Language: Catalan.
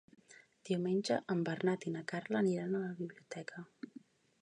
Diumenge en Bernat i na Carla aniran a la biblioteca.